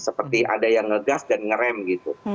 seperti ada yang ngegas dan ngerem gitu